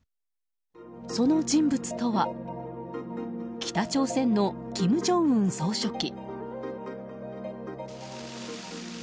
その人物とは北朝鮮の金正恩総書記。